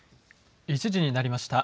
１時になりました。